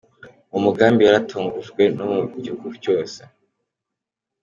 Uwu mugambi waratangujwe no mu gihugu cose.